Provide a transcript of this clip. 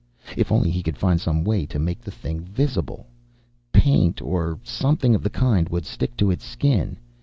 If only he could find some way to make the thing visible! Paint, or something of the kind, would stick to its skin....